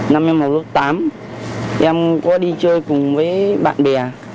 năm em học lớp tám em có đi chơi cùng với bạn bè